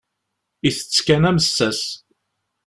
Itett kan amessas.